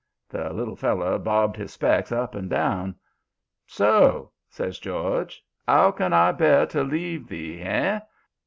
"The little feller bobbed his specs up and down. "'So?' says George. ''Ow can I bear to leave thee, 'ey?